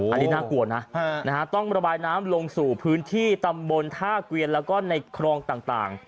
อันนี้น่ากลัวนะต้องระบายน้ำลงสู่พื้นที่ตำบลท่าเกวียนแล้วก็ในครองต่าง